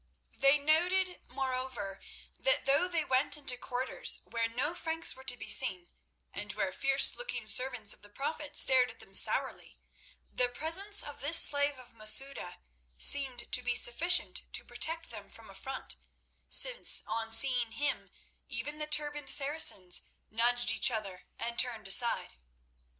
They noted, moreover, that though they went into quarters where no Franks were to be seen, and where fierce looking servants of the Prophet stared at them sourly, the presence of this slave of Masouda seemed to be sufficient to protect them from affront, since on seeing him even the turbaned Saracens nudged each other and turned aside.